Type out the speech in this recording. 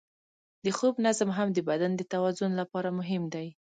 د خوب نظم هم د بدن د توازن لپاره مهم دی.